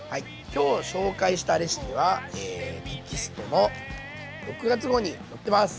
今日紹介したレシピはえテキストの６月号に載ってます。